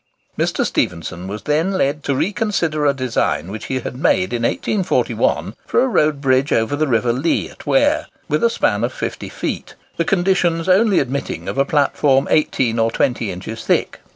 Mr. Stephenson was then led to reconsider a design which he had made in 1841 for a road bridge over the river Lea at Ware, with a span of 50 feet,—the conditions only admitting of a platform 18 or 20 inches thick.